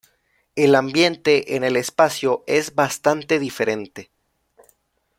El ambiente en el espacio es bastante diferente.